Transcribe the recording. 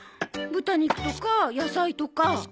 豚肉とか野菜とか。